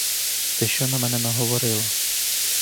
Ти що на мене наговорила?